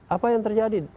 apa yang terjadi